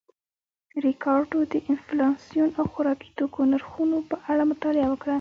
ریکارډو د انفلاسیون او خوراکي توکو نرخونو په اړه مطالعه وکړه